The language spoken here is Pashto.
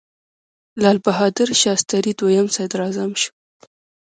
لال بهادر شاستري دویم صدراعظم شو.